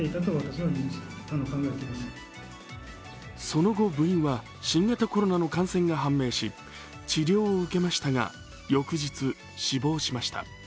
その後、部員は新型コロナの感染が判明し治療を受けましたが、翌日死亡しました。